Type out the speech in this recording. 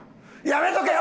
やめとけ！